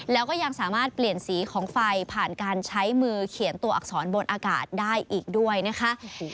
แล้วก็ยังสามารถเปลี่ยนสีของไฟผ่านการใช้มือเขียนตัวอักษรบนอากาศได้อีกด้วยนะคะ